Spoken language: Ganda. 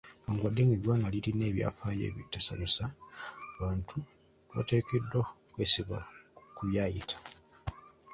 Newankubadde nga eggwanga lirina ebyafaayo ebitasanyusa, abantu tebateekeddwa kwesiba ku byayita.